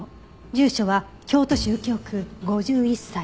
住所は京都市右京区５１歳。